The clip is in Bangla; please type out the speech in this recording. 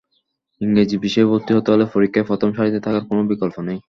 ইংরেজি বিষয়ে ভর্তি হতে হলে পরীক্ষায় প্রথম সারিতে থাকার কোনো বিকল্প নেই।